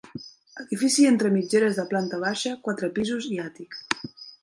Edifici entre mitgeres de planta baixa, quatre pisos i àtic.